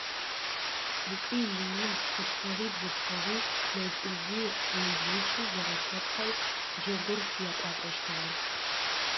Цӏыкӏуи ини, хъулъфыгъи бзылъфыгъи, нэжъ-ӏужъи ныбжьыкӏи - зэрэлъэпкъэу джэгур якӏуапӏэщтыгъэ.